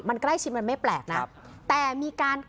มันใกล้ชิดมันไม่แปลกนะแต่มีการ